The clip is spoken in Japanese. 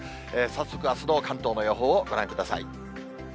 早速、あすの関東の予報をご覧ください。